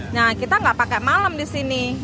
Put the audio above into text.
nah kita nggak pakai malam di sini